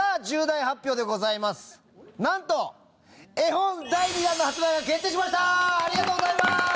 重大発表でございます。